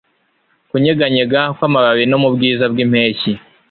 Kunyeganyega kwamababi no mubwiza bwimpeshyi